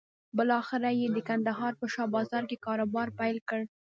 بالاخره یې د کندهار په شا بازار کې کاروبار پيل کړ.